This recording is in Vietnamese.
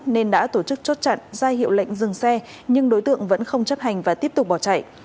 nên đã tổ chức chốt chặn ra hiệu lệnh dừng xe nhưng đối tượng vẫn không chấp hành và tiếp tục bỏ chạy